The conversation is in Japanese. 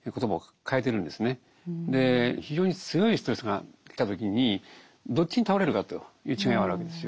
非常に強いストレスがきた時にどっちに倒れるかという違いはあるわけですよ。